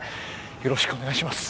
よろしくお願いします。